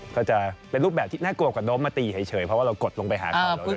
ก็จะเป็นรูปแบบที่น่ากลัวกว่าโดมมาตีเฉยเพราะว่าเรากดลงไปหาเขาแล้วด้วย